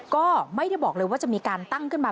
ก็ไม่ได้บอกเลยว่าจะมีการตั้งขึ้นมา